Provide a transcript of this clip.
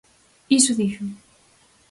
Iso dixo.